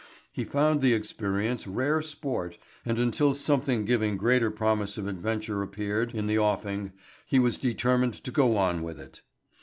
He found the experience rare sport and until something giving greater promise of adventure appeared in the offing he was determined to go on with it.